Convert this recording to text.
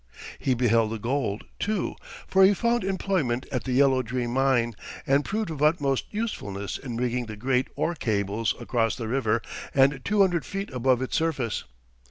He beheld the gold, too, for he found employment at the Yellow Dream mine, and proved of utmost usefulness in rigging the great ore cables across the river and two hundred feet above its surface.